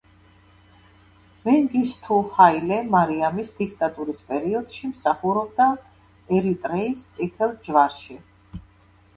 მენგისთუ ჰაილე მარიამის დიქტატურის პერიოდში მსახურობდა ერიტრეის წითელ ჯვარში.